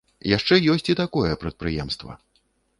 Яшчэ ёсць і такое прадпрыемства.